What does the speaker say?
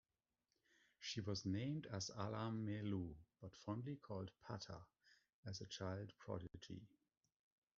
She was named as Alamelu, but fondly called "Patta" as a child prodigy.